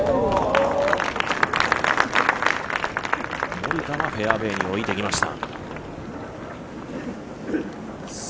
森田はフェアウエーに置いてきました。